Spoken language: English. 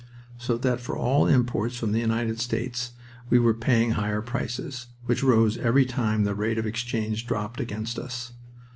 So that for all imports from the United States we were paying higher prices, which rose every time the rate of exchange dropped against us.